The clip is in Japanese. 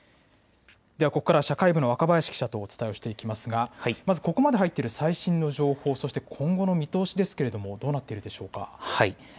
ここから社会部の若林記者とお伝えしていきますがまずここまでに入っている最新の情報、そして今後の見通しですけれどどうなっているでしょうか。